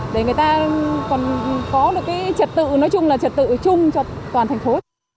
để người ta còn có được cái trật tự nói chung là trật tự chung cho toàn thành phố